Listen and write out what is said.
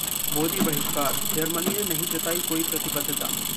मोदी बहिष्कारः जर्मनी ने नहीं जताई कोई प्रतिबद्धता